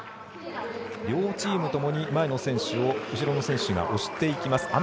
両チームともに前の選手を後ろの選手が押していきます。